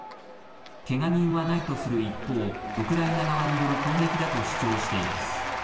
けが人はないとする一方、ウクライナ側による攻撃だと主張しています。